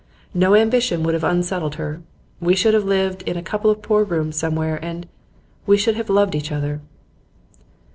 No ambition would have unsettled her. We should have lived in a couple of poor rooms somewhere, and we should have loved each other.